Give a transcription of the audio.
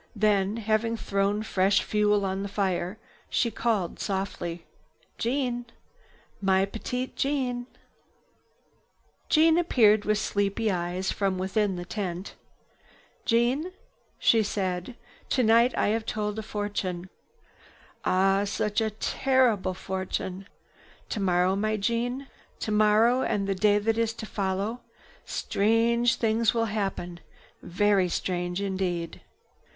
Then, having thrown fresh fuel on the fire, she called softly: "Jeanne! My Petite Jeanne!" Jeanne peered with sleepy eyes from within the tent. "Jeanne," Madame said, "tonight I have told a fortune. Ah, such a terrible fortune! Tomorrow, my Jeanne, tomorrow and the day that is to follow, strange things will happen, very strange indeed."